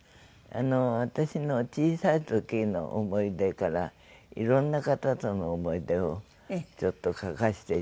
私の小さい時の思い出からいろんな方との思い出をちょっと書かせていただいて。